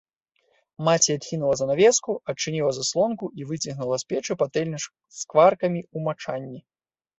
Маці адхінула занавеску, адчыніла заслонку і выцягнула з печы патэльню з скваркамі ў мачанні.